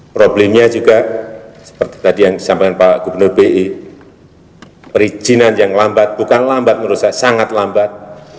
problemnya juga seperti tadi yang disampaikan pak gubernur bi perizinan yang lambat bukan lambat menurut saya sangat lambat